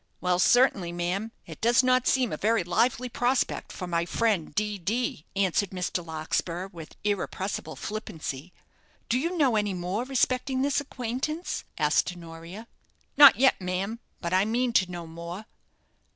"Well, certainly, ma'am, it does not seem a very lively prospect for my friend, D. D.," answered Mr. Larkspur, with irrepressible flippancy. "Do you know any more respecting this acquaintance?" asked Honoria. "Not yet, ma'am; but I mean to know more."